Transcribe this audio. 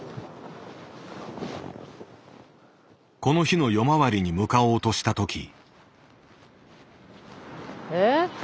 この日の夜回りに向かおうとした時。